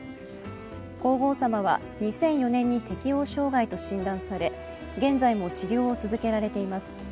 皇后さまは、２００４年に適応障害と診断され現在も治療を続けられています。